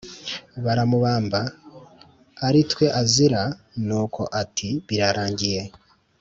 Baramubamba aritwe azira nuko ati birarangiye